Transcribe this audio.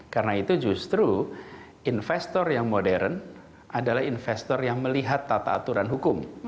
karena itu justru investor yang modern adalah investor yang melihat tata aturan hukum